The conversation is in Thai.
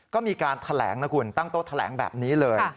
ก็มีการแถลงนะคุณตั้งโต๊ะแถลงแบบนี้เลย